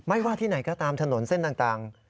ว่าที่ไหนก็ตามถนนเส้นต่าง